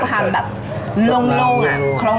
แล้วนอกจากเรื่องของสุดเด็ดของซูกกี้ที่ร้าน